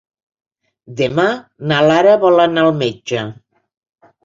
Demà na Lara vol anar al metge.